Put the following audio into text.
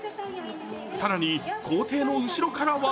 更に校庭の後ろからは